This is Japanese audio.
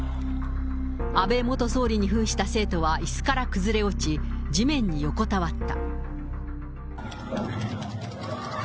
安倍元総理にふんした生徒はいすから崩れ落ち、地面に横たわった。